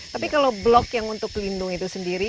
tapi kalau blok yang untuk lindung itu sendiri